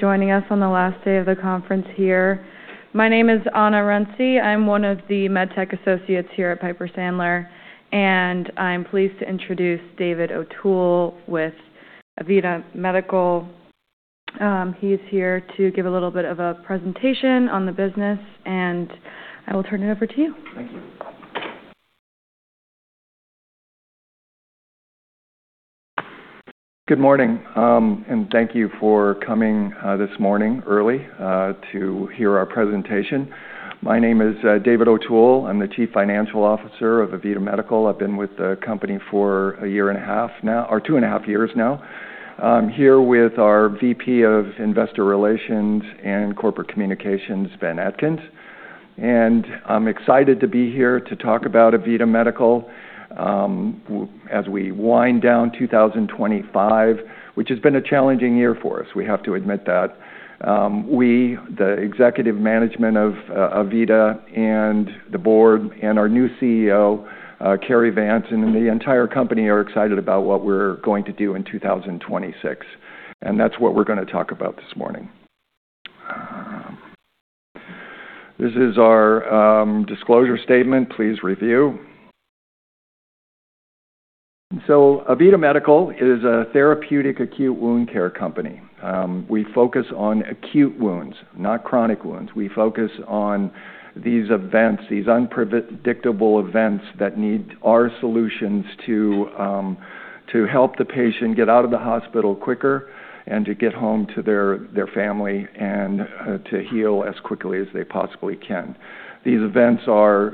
Joining us on the last day of the conference here. My name is Anna Runci. I'm one of the MedTech Associates here at Piper Sandler, and I'm pleased to introduce David O'Toole, with AVITA Medical. He's here to give a little bit of a presentation on the business, and I will turn it over to you. Thank you. Good morning, and thank you for coming this morning early to hear our presentation. My name is David O'Toole. I'm the Chief Financial Officer of AVITA Medical. I've been with the company for a year and a half now, or two and a half years now. I'm here with our VP of Investor Relations and Corporate Communications, Ben Atkins, and I'm excited to be here to talk about AVITA Medical as we wind down 2025, which has been a challenging year for us, we have to admit that. We, the executive management of AVITA, and the board, and our new CEO, Cary Vance, and the entire company are excited about what we're going to do in 2026, and that's what we're going to talk about this morning. This is our disclosure statement. Please review. So AVITA Medical is a therapeutic acute wound care company. We focus on acute wounds, not chronic wounds. We focus on these events, these unpredictable events that need our solutions to help the patient get out of the hospital quicker and to get home to their family and to heal as quickly as they possibly can. These events are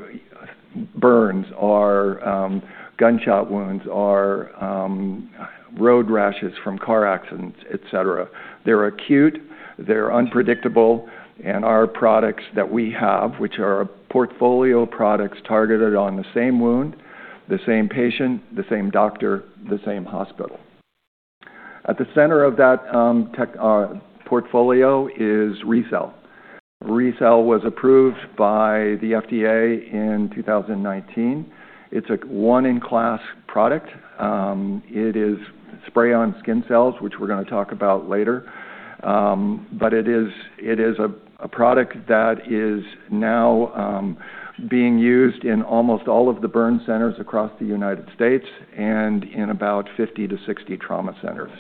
burns, are gunshot wounds, are road rashes from car accidents, etc. They're acute, they're unpredictable, and our products that we have, which are a portfolio of products targeted on the same wound, the same patient, the same doctor, the same hospital. At the center of that portfolio is RECELL. RECELL was approved by the FDA in 2019. It's a first-in-class product. It is spray-on skin cells, which we're going to talk about later, but it is a product that is now being used in almost all of the burn centers across the United States and in about 50-60 trauma centers.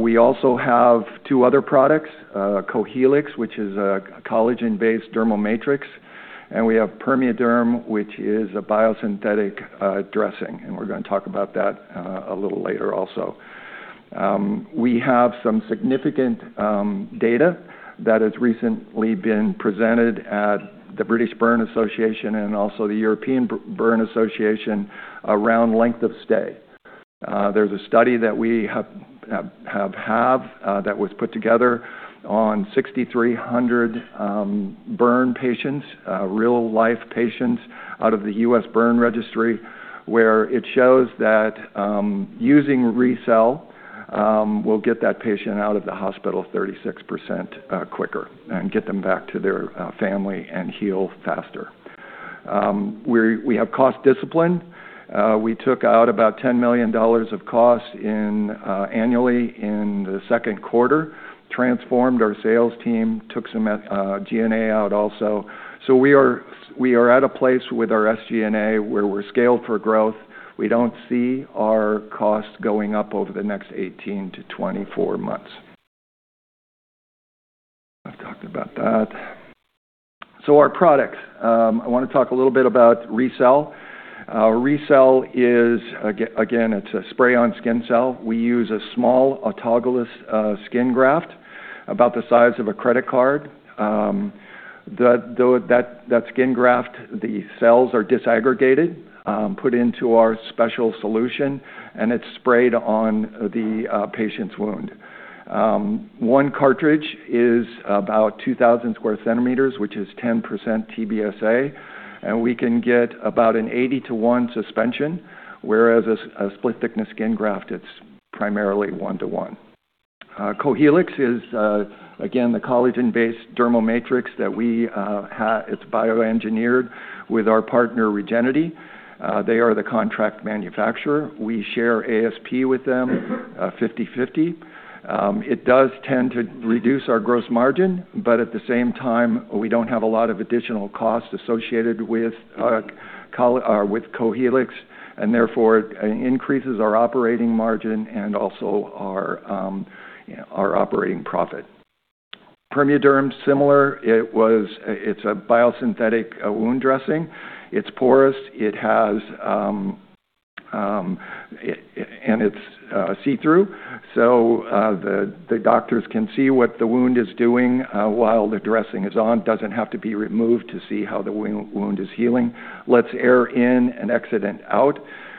We also have two other products, Cohealyx, which is a collagen-based dermal matrix, and we have PermeaDerm, which is a biosynthetic dressing, and we're going to talk about that a little later also. We have some significant data that has recently been presented at the British Burn Association and also the European Burn Association around length of stay. There's a study that we have had that was put together on 6,300 burn patients, real-life patients out of the U.S. burn registry, where it shows that using RECELL will get that patient out of the hospital 36% quicker and get them back to their family and heal faster. We have cost discipline. We took out about $10 million of costs annually in the second quarter, transformed our sales team, took some G&A out also. So we are at a place with our SG&A where we're scaled for growth. We don't see our costs going up over the next 18-24 months. I've talked about that. So our products, I want to talk a little bit about RECELL. RECELL is, again, it's a spray-on skin cell. We use a small autologous skin graft, about the size of a credit card. That skin graft, the cells are disaggregated, put into our special solution, and it's sprayed on the patient's wound. One cartridge is about 2,000 square centimeters, which is 10% TBSA, and we can get about an 80-1 suspension, whereas a split-thickness skin graft, it's primarily 1-1. Cohealyx is, again, the collagen-based dermal matrix that we have, it's bioengineered with our partner, Regenity. They are the contract manufacturer. We share ASP with them, 50/50. It does tend to reduce our gross margin, but at the same time, we don't have a lot of additional costs associated with Cohealyx, and therefore it increases our operating margin and also our operating profit. PermeaDerm, similar. It's a biosynthetic wound dressing. It's porous, and it's see-through, so the doctors can see what the wound is doing while the dressing is on. It doesn't have to be removed to see how the wound is healing. Lets air in and exit out.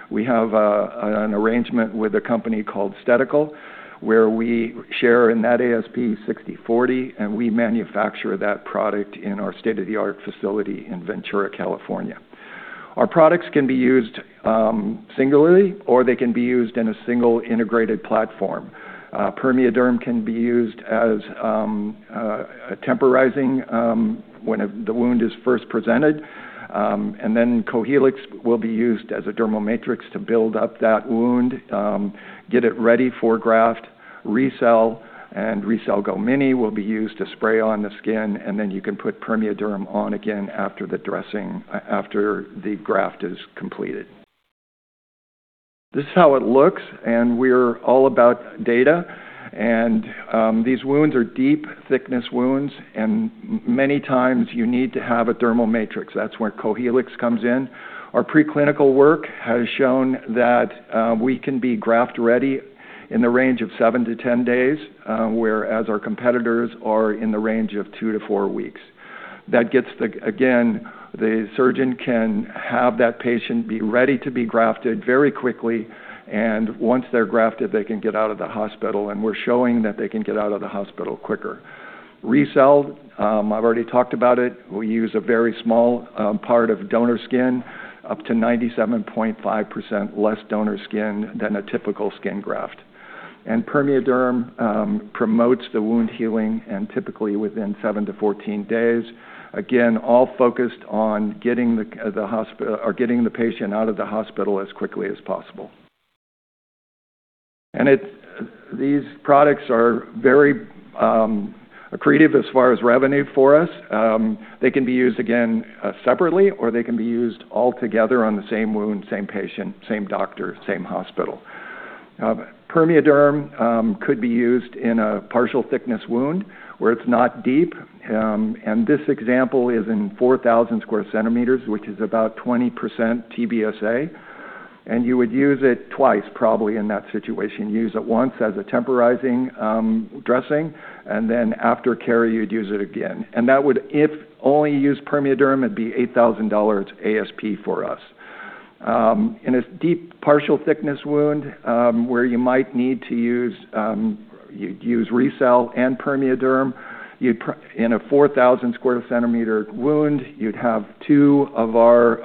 We have an arrangement with a company called Stedical, where we share in that ASP 60/40, and we manufacture that product in our state-of-the-art facility in Ventura, California. Our products can be used singularly, or they can be used in a single integrated platform. PermeaDerm can be used as a temporizing when the wound is first presented, and then Cohealyx will be used as a dermal matrix to build up that wound, get it ready for graft. RECELL and RECELL GO Mini will be used to spray on the skin, and then you can put PermeaDerm on again after the dressing, after the graft is completed. This is how it looks, and we're all about data, and these wounds are deep, thickness wounds, and many times you need to have a dermal matrix. That's where Cohealyx comes in. Our preclinical work has shown that we can be graft-ready in the range of 7-10 days, whereas our competitors are in the range of two to four weeks. That gets the, again, the surgeon can have that patient be ready to be grafted very quickly, and once they're grafted, they can get out of the hospital, and we're showing that they can get out of the hospital quicker. RECELL, I've already talked about it. We use a very small part of donor skin, up to 97.5% less donor skin than a typical skin graft. PermeaDerm promotes the wound healing and typically within 7-14 days. Again, all focused on getting the patient out of the hospital as quickly as possible. These products are very accretive as far as revenue for us. They can be used, again, separately, or they can be used all together on the same wound, same patient, same doctor, same hospital. PermeaDerm could be used in a partial thickness wound where it's not deep, and this example is in 4,000 square centimeters, which is about 20% TBSA, and you would use it twice, probably, in that situation. Use it once as a temporizing dressing, and then after care, you'd use it again. And that would, if only used PermeaDerm, it'd be $8,000 ASP for us. In a deep, partial thickness wound where you might need to use, you'd use RECELL and PermeaDerm, in a 4,000 square centimeter wound, you'd have two of our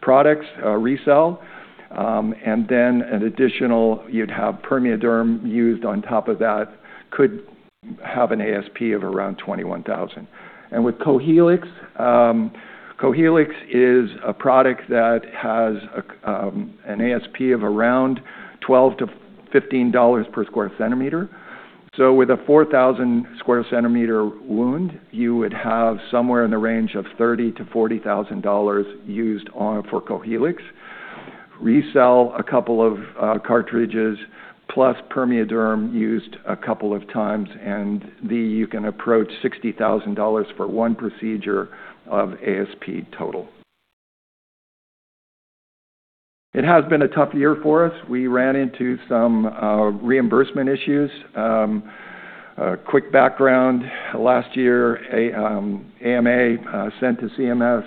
products, RECELL, and then an additional, you'd have PermeaDerm used on top of that, could have an ASP of around $21,000. And with Cohealyx, Cohealyx is a product that has an ASP of around $12-$15 per square centimeter. So with a 4,000 square centimeter wound, you would have somewhere in the range of $30,000-$40,000 used for Cohealyx. RECELL, a couple of cartridges, plus PermeaDerm used a couple of times, and you can approach $60,000 for one procedure of ASP total. It has been a tough year for us. We ran into some reimbursement issues. Quick background, last year, AMA sent to CMS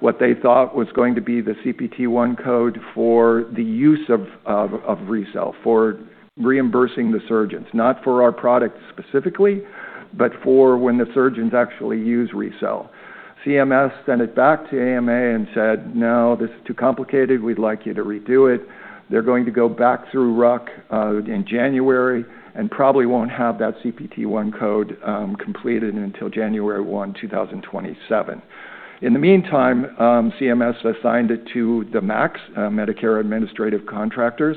what they thought was going to be the CPT-1 code for the use of RECELL for reimbursing the surgeons, not for our product specifically, but for when the surgeons actually use RECELL. CMS sent it back to AMA and said, "No, this is too complicated. We'd like you to redo it." They're going to go back through RUC in January and probably won't have that CPT-1 code completed until January 1, 2027. In the meantime, CMS assigned it to the MACs, Medicare Administrative Contractors,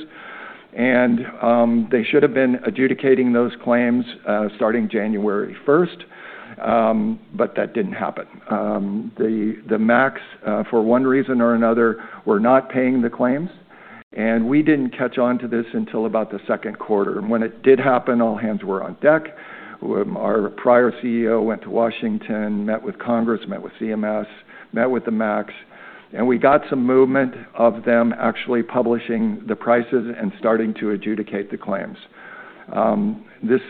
and they should have been adjudicating those claims starting January 1st, but that didn't happen. The MACs, for one reason or another, were not paying the claims, and we didn't catch on to this until about the 2nd quarter. When it did happen, all hands were on deck. Our prior CEO went to Washington, met with Congress, met with CMS, met with the MACs, and we got some movement of them actually publishing the prices and starting to adjudicate the claims. This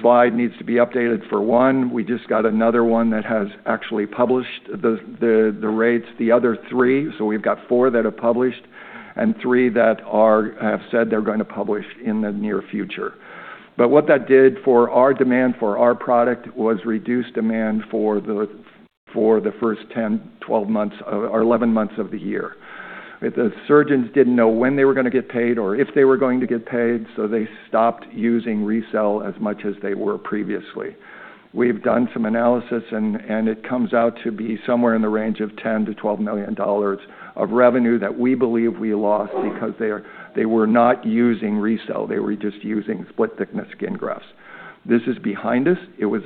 slide needs to be updated for one. We just got another one that has actually published the rates, the other three, so we've got four that have published and three that have said they're going to publish in the near future. But what that did for our demand for our product was reduce demand for the first 10, 12 months, or 11 months of the year. The surgeons didn't know when they were going to get paid or if they were going to get paid, so they stopped using RECELL as much as they were previously. We've done some analysis, and it comes out to be somewhere in the range of $10-$12 million of revenue that we believe we lost because they were not using RECELL. They were just using split-thickness skin grafts. This is behind us. It was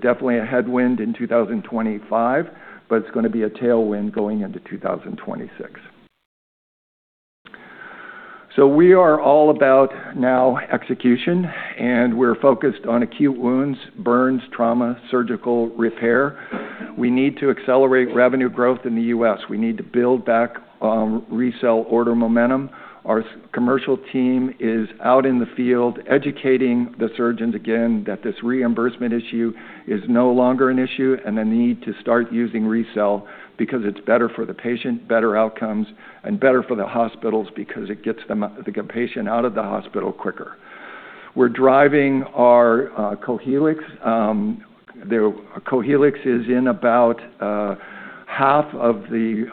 definitely a headwind in 2025, but it's going to be a tailwind going into 2026. So we are all about now execution, and we're focused on acute wounds, burns, trauma, surgical repair. We need to accelerate revenue growth in the U.S. We need to build back RECELL order momentum. Our commercial team is out in the field educating the surgeons again that this reimbursement issue is no longer an issue and the need to start using RECELL because it's better for the patient, better outcomes, and better for the hospitals because it gets the patient out of the hospital quicker. We're driving our Cohealyx. Cohealyx is in about half of the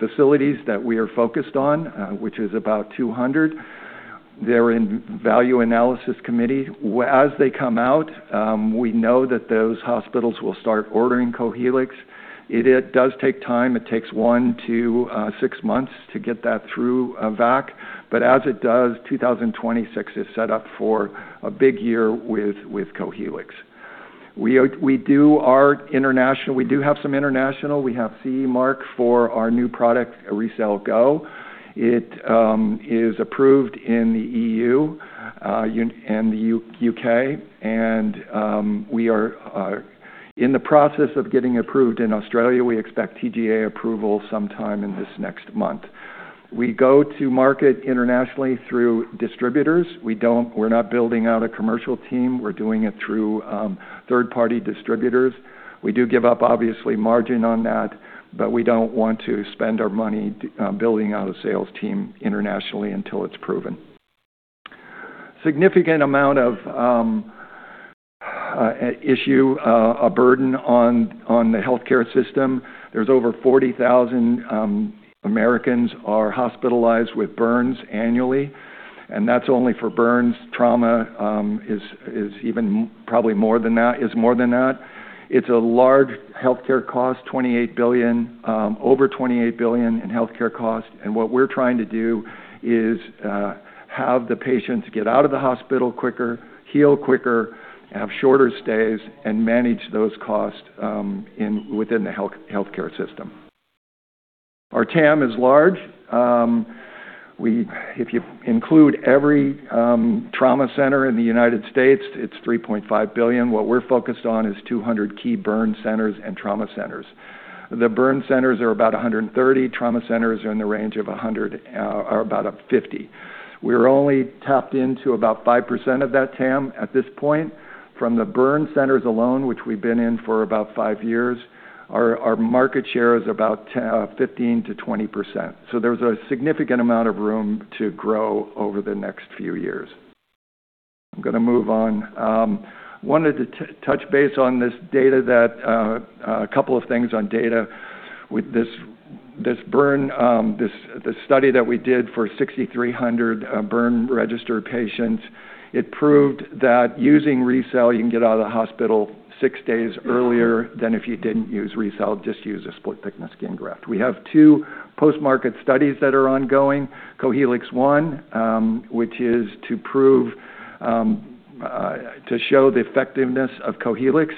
facilities that we are focused on, which is about 200. They're in value analysis committee. As they come out, we know that those hospitals will start ordering Cohealyx. It does take time. It takes one, two, six months to get that through a VAC, but as it does, 2026 is set up for a big year with Cohealyx. We do our international. We do have some international. We have CE mark for our new product, RECELL GO. It is approved in the E.U. and the U.K., and we are in the process of getting approved in Australia. We expect TGA approval sometime in this next month. We go to market internationally through distributors. We're not building out a commercial team. We're doing it through third-party distributors. We do give up, obviously, margin on that, but we don't want to spend our money building out a sales team internationally until it's proven. Significant amount of issue, a burden on the healthcare system. There's over 40,000 Americans who are hospitalized with burns annually, and that's only for burns. Trauma is even probably more than that. It's a large healthcare cost, over $28 billion in healthcare cost, and what we're trying to do is have the patients get out of the hospital quicker, heal quicker, have shorter stays, and manage those costs within the healthcare system. Our TAM is large. If you include every trauma center in the United States, it's $3.5 billion. What we're focused on is 200 key burn centers and trauma centers. The burn centers are about 130. Trauma centers are in the range of about 50. We're only tapped into about 5% of that TAM at this point. From the burn centers alone, which we've been in for about five years, our market share is about 15%-20%. So there's a significant amount of room to grow over the next few years. I'm going to move on. Wanted to touch base on this data, that a couple of things on data. This study that we did for 6,300 burn registered patients, it proved that using RECELL, you can get out of the hospital six days earlier than if you didn't use RECELL. Just use a split-thickness skin graft. We have two post-market studies that are ongoing. Cohealyx One, which is to show the effectiveness of Cohealyx.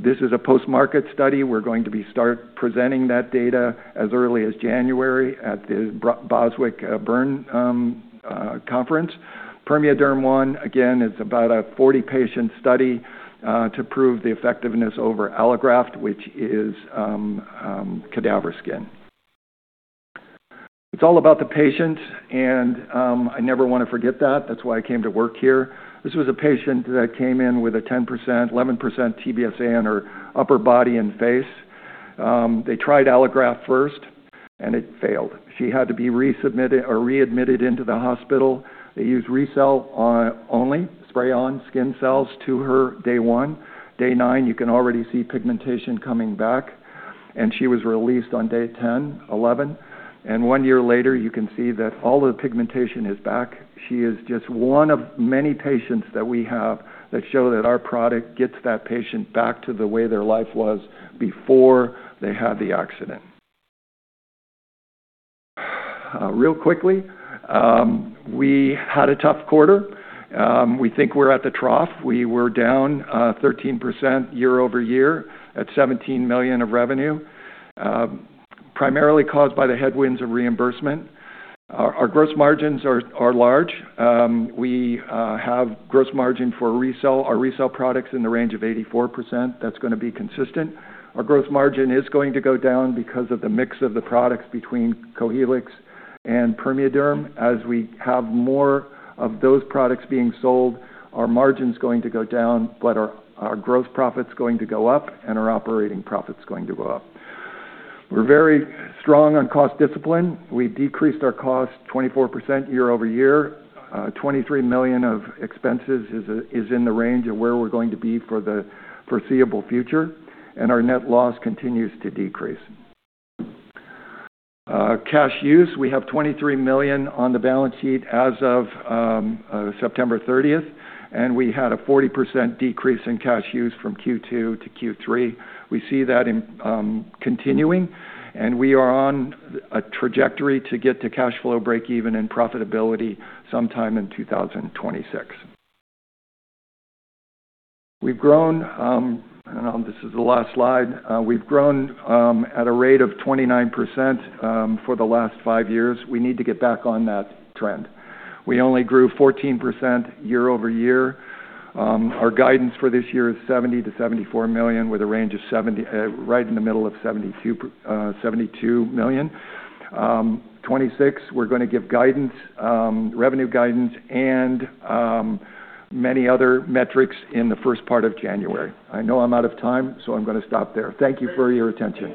This is a post-market study. We're going to be starting presenting that data as early as January at the Boswick Burn Conference. PermeaDerm One, again, is about a 40-patient study to prove the effectiveness over allograft, which is cadaver skin. It's all about the patient, and I never want to forget that. That's why I came to work here. This was a patient that came in with a 10%, 11% TBSA on her upper body and face. They tried allograft first, and it failed. She had to be readmitted into the hospital. They used RECELL only, spray on skin cells to her day one. Day nine, you can already see pigmentation coming back, and she was released on day 10, 11. One year later, you can see that all of the pigmentation is back. She is just one of many patients that we have that show that our product gets that patient back to the way their life was before they had the accident. Really quickly, we had a tough quarter. We think we're at the trough. We were down 13% year over year at $17 million of revenue, primarily caused by the headwinds of reimbursement. Our gross margins are large. We have gross margin for RECELL. Our RECELL products are in the range of 84%. That's going to be consistent. Our gross margin is going to go down because of the mix of the products between Cohealyx and PermeaDerm. As we have more of those products being sold, our margin's going to go down, but our gross profit's going to go up, and our operating profit's going to go up. We're very strong on cost discipline. We've decreased our cost 24% year over year. $23 million of expenses is in the range of where we're going to be for the foreseeable future, and our net loss continues to decrease. Cash use, we have $23 million on the balance sheet as of September 30th, and we had a 40% decrease in cash use from Q2 to Q3. We see that continuing, and we are on a trajectory to get to cash flow break-even and profitability sometime in 2026. We've grown, and this is the last slide. We've grown at a rate of 29% for the last five years. We need to get back on that trend. We only grew 14% year over year. Our guidance for this year is $70 million-$74 million with a range of right in the middle of $72 million. 2026, we're going to give revenue guidance and many other metrics in the first part of January. I know I'm out of time, so I'm going to stop there. Thank you for your attention.